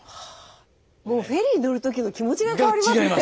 もうフェリー乗るときの気持ちが変わりますね。